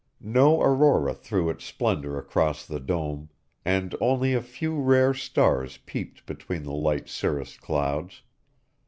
No aurora threw its splendor across the dome, and only a few rare stars peeped between the light cirrus clouds.